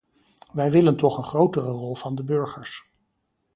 Wij willen toch een grotere rol van de burgers.